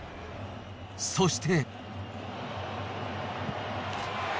そして。